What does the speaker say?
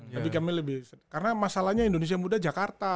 tapi kami lebih karena masalahnya indonesia muda jakarta